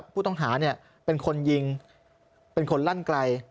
ผู้ต้องหาเป็นคนยิงเป็นคนลั่นไกล